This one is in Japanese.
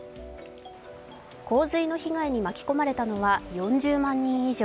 洪水の被害に巻き込まれたのは４０万人以上。